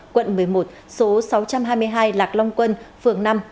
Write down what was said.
quận một mươi một số sáu trăm hai mươi hai lạc long quân